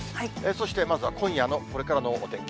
そして、まずは今夜のこれからのお天気。